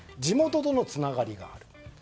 地元とのつながりがある。